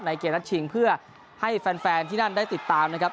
เกมนัดชิงเพื่อให้แฟนที่นั่นได้ติดตามนะครับ